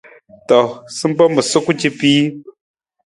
To, sampa ma suku capiin.